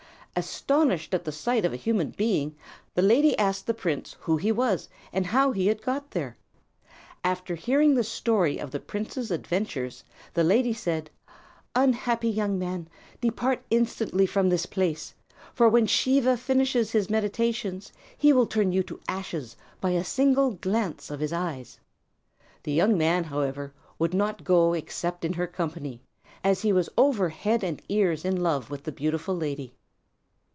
Astonished at the sight of a human being, the lady asked the prince who he was and how he had got there. After hearing the story of the prince's adventures, the lady said, "Unhappy young man, depart instantly from this place; for when Siva finishes his meditations he will turn you to ashes by a single glance of his eyes." The young man, however, would not go except in her company, as he was over head and ears in love with the beautiful lady.